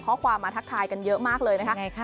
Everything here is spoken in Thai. ข้อความมาทักทายกันเยอะมากเลยนะคะ